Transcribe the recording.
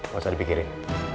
gak usah dipikirin